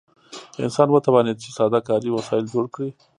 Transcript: انسان وتوانید چې ساده کاري وسایل جوړ کړي.